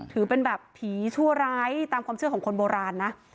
ถือเป็นแบบผีชั่วร้ายตามความเชื่อของคนโบราณนะ